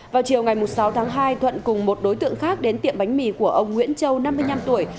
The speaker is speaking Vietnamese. vào chiều ngày sáu tháng hai thuận cùng một đối tượng khác đến tiệm bánh mì của ông nguyễn châu năm mươi năm tuổi